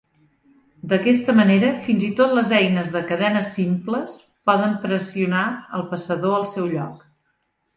D'aquesta manera, fins i tot les eines de cadena simples poden pressionar el passador al seu lloc.